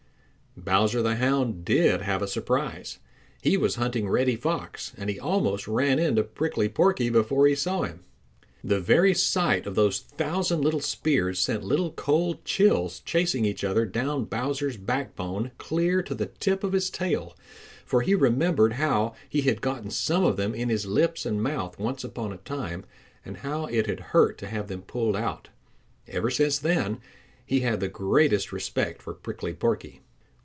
Bowser the Hound did have a surprise. He was hunting Reddy Fox, and he almost ran into Prickly Porky before he saw him. The very sight of those thousand little spears sent little cold chills chasing each other down Bowser's backbone clear to the tip of his tail, for he remembered how he had gotten some of them in his lips and mouth once upon a time, and how it had hurt to have them pulled out. Ever since then he had had the greatest respect for Prickly Porky.